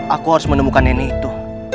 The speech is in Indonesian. aku harus menemukan nenek itu